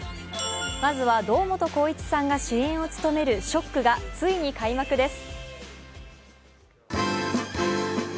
まずは堂本光一さんが主演を務める「ＳＨＯＣＫ」がついに開幕です。